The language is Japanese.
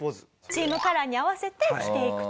チームカラーに合わせて着ていくと。